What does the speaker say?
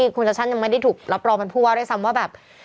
ตอนที่คุณชช่ายังไม่ได้ถูกรับรอบันพัวด้วยซ้ำว่าแบบ